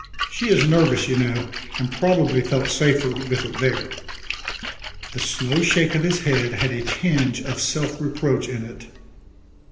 "She is nervous, you know, and probably felt safer with it there." The slow shake of his head had a tinge of self reproach in it.